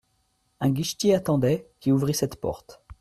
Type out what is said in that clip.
Un guichetier attendait, qui ouvrit cette porte.